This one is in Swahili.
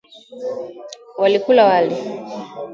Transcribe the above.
Walikula wali.